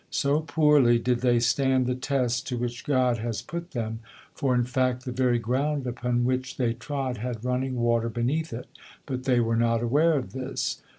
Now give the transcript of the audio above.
So poorly did they stand the test to which God has put them, for in fact the very ground upon which they trod had running water beneath it, but they were not aware of this.